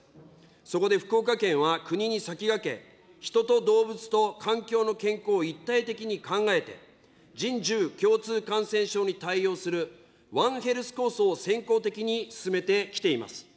そこで福岡県は国に先駆け、人と動物と環境の健康を一体的に考えて、人獣共通感染症に対応する、ワンヘルス構想を先行的に進めてきています。